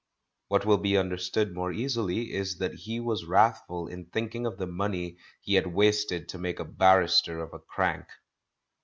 What will be understood more easily, is that he was wrathful in thinking of the money he had wasted to make a barrister of a crank.